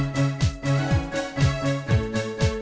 terima kasih dok